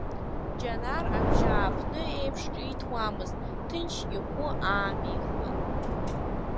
Џьанар абжьааԥны еиԥш ҿиҭуамызт, ҭынч ихәы аамихуан.